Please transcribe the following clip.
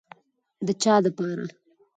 د چا دپاره.